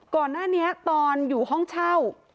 ก่อนหน้านี้ตอนอยู่ห้องเช่า